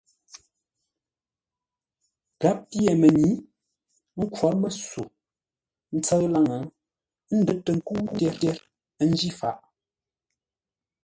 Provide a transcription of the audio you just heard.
Gháp pyê mənyǐ, ə́ nkhwǒr məsô ńtsə́ʉ laŋə́ ə́ ndə́r tə nkə́u tyer, ə́ njǐ faʼ.